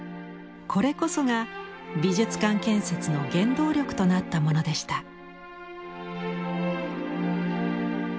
これこそが美術館建設の原動力となったものでした。